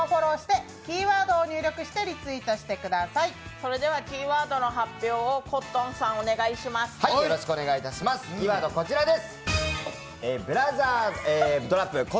それではキーワードの発表をコットンさんかよろしくお願いします。